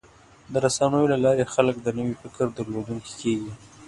د رسنیو له لارې خلک د نوي فکر درلودونکي کېږي.